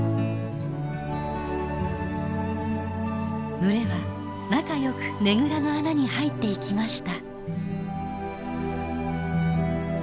群れは仲よくねぐらの穴に入っていきました。